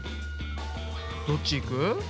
どっちいく？